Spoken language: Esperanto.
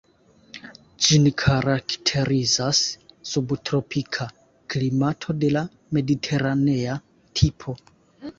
Ĝin karakterizas subtropika klimato de la mediteranea tipo.